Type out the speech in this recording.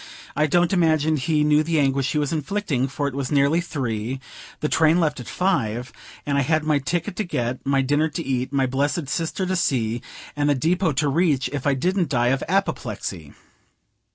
I don't imagine he knew the anguish he was inflicting; for it was nearly three, the train left at five, and I had my ticket to get, my dinner to eat, my blessed sister to see, and the depot to reach, if I didn't die of apoplexy.